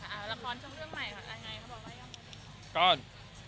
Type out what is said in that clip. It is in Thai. เอาละครช่วงเรื่องใหม่ค่ะยังไงเขาบอกว่ายังไงก่อน